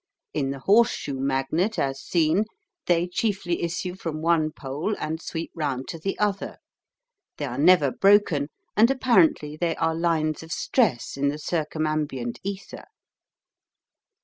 In the horse shoe magnet, as seen, they chiefly issue from one pole and sweep round to the other. They are never broken, and apparently they are lines of stress in the circumambient ether.